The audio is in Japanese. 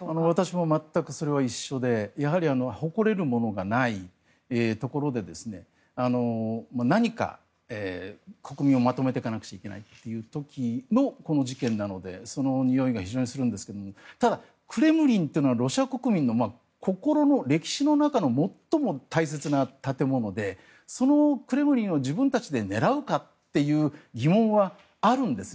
私も全くそれは一緒でやはり誇れるものがないところで何か、国民をまとめていかなくちゃいけないという時のこの事件なのでそのにおいが非常にするんですがただ、クレムリンというのはロシア国民の心の歴史の中の最も大切な建物でそのクレムリンを自分たちで狙うかっていう疑問はあるんですね。